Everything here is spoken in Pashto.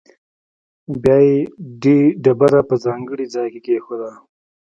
بیا یې ډبره په ځانګړي ځاې کې کېښوده.